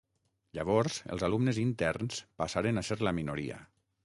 Llavors, els alumnes interns passaren a ser la minoria.